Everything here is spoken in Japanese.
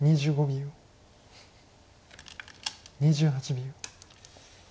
２８秒。